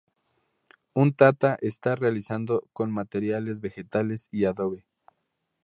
Un tata está realizado con materiales vegetales y adobe.